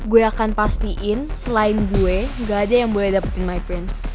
gue akan pastiin selain gue gak ada yang boleh dapetin my prince